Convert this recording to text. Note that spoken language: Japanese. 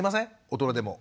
大人でも。